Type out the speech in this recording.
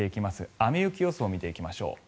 雨・雪予想を見ていきましょう。